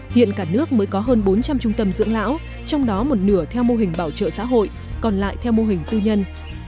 hiện cả nước mới có hơn bốn trăm linh trung tâm dưỡng lão trong đó một nửa theo mô hình bảo trợ xã hội còn lại theo mô hình tư nhân